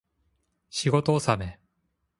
仕事納め